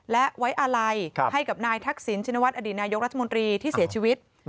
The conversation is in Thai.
และไว้อาลัยให้กับนายทักษิณชินวัฒนอดีตนายกรัฐมนตรีที่เสียชีวิต